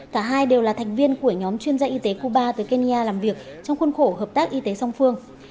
cả hai đều là thành viên của nhóm chuyên gia y tế cuba tới kenya làm việc trong khuôn khổ hợp tác y tế song phương